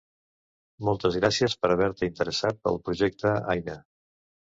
Moltes gràcies per haver-te interessat pel projecte Aina.